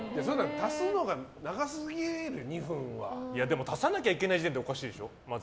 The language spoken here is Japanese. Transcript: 足すのが長すぎるよ、２分は。足さなきゃいけない時点でおかしいでしょ。